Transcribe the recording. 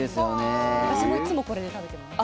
私もいつもこれで食べてます。